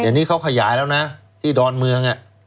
เดี๋ยวนี้เขาขยายแล้วนะที่ดอนเมือง